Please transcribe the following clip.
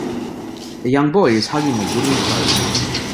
A young boy is hugging a wooden post.